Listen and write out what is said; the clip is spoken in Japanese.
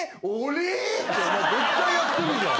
お前絶対やってるじゃん。